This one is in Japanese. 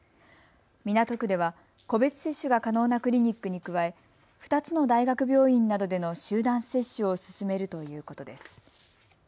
港区では個別接種が可能なクリニックに加え２つの大学病院などでの集団接種を進めるということです。